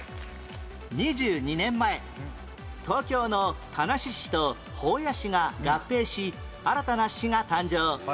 ２２年前東京の田無市と保谷市が合併し新たな市が誕生